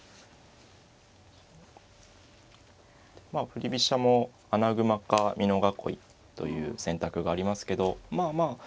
振り飛車も穴熊か美濃囲いという選択がありますけどまあまあ